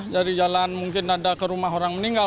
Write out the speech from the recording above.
jadi jalan mungkin ada ke rumah orang meninggal